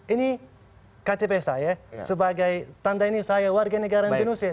ini ktp saya sebagai tanda ini saya warga negara indonesia